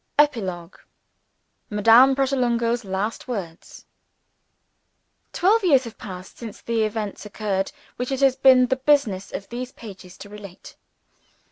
EPILOGUE Madame Pratolungo's Last Words TWELVE years have passed since the events occurred which it has been the business of these pages to relate.